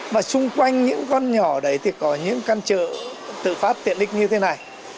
và xung quanh những con nhỏ đấy thì có những căn chợ tự phát tiện lịch như thế này